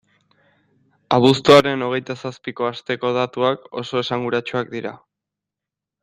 Abuztuaren hogeita zazpiko asteko datuak oso esanguratsuak dira.